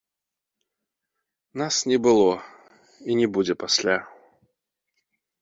Нас не было і не будзе пасля.